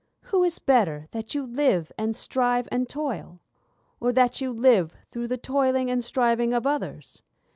Who is better that you live, and strive, and toil? Or that you live through the toiling and striving of others?